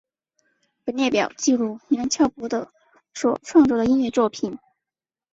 本列表记录梁翘柏的所创作的音乐作品